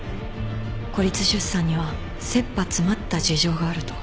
孤立出産には切羽詰まった事情があると。